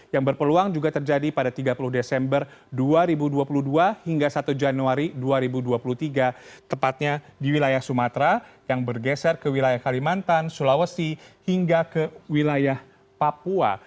yang berpeluang juga terjadi pada tiga puluh desember dua ribu dua puluh dua hingga satu januari dua ribu dua puluh tiga tepatnya di wilayah sumatera yang bergeser ke wilayah kalimantan sulawesi hingga ke wilayah papua